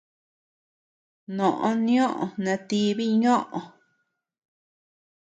Noʼo nioʼö natibi ñoʼö.